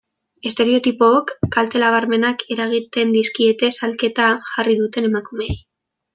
Estereotipook kalte nabarmenak eragiten dizkie salaketa jarri duten emakumeei.